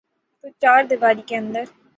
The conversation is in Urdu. توچاردیواری کے اندر۔